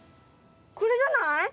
これじゃない？